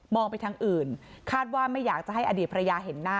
ไปทางอื่นคาดว่าไม่อยากจะให้อดีตภรรยาเห็นหน้า